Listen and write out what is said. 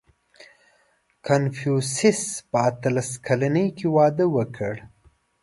• کنفوسیوس په اتلس کلنۍ کې واده وکړ.